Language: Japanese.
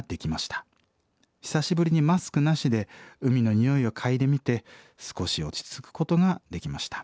久しぶりにマスクなしで海の匂いを嗅いでみて少し落ち着くことができました。